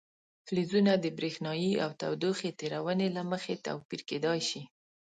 فلزونه د برېښنايي او تودوخې تیرونې له مخې توپیر کیدای شي.